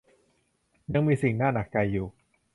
ยังมีสิ่งน่าหนักใจอยู่